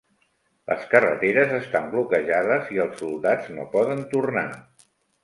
Les carreteres estan bloquejades i els soldats no poden tornar.